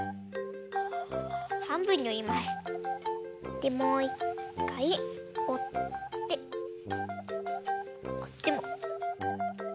でもういっかいおってこっちも。